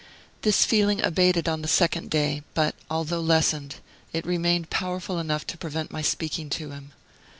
This feeling abated on the second day; but, although lessened, it remained powerful enough to prevent my speaking to him.